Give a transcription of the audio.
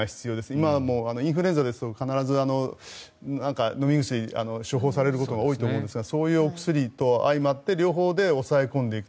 今はもう、インフルエンザですと必ず飲み薬が処方されることが多いと思うんですがそういうお薬と相まって両方で抑えていく。